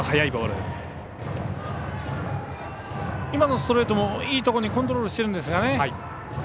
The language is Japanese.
今のストレートもいいところにコントロールしてるんですがね。